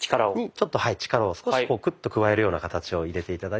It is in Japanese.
ちょっとはい力を少しクッと加えるような形を入れて頂いて。